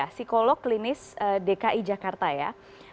psikolog klinis dki jakarta ya